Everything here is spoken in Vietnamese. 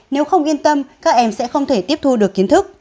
nếu không yên tâm các em sẽ không thể tiếp thu được kiến thức